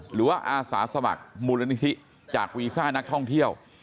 อาสาสมัครมูลนิธิจากวีซ่านักท่องเที่ยว